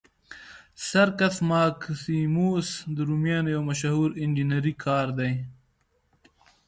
سرکس ماکسیموس د رومیانو یو مشهور انجنیري کار دی.